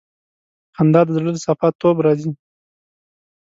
خندا د زړه له صفا توب راځي.